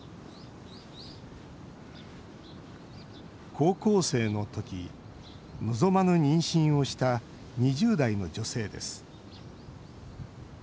高校生のとき望まぬ妊娠をした２０代の女性です。